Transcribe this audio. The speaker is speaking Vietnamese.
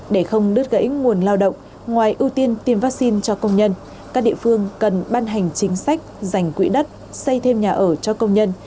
để không đứt gãy nguồn lao động ngoài ưu tiên tiêm vaccine cho công nhân các địa phương cần ban hành chính sách dành quỹ đất xây thêm nhà ở cho công nhân